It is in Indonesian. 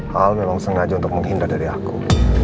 hal memang sengaja untuk menghindar dari aku